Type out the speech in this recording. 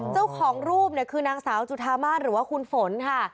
เจ้าของรูปเนี่ยคือนางสาวจุธามาศหรือว่าคุณฝนค่ะ